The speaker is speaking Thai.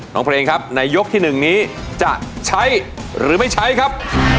เพลงครับในยกที่๑นี้จะใช้หรือไม่ใช้ครับ